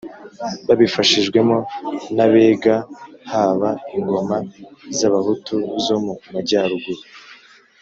babifashijwemo n'abega, haba ingoma z'abahutu zo mu majyaruguru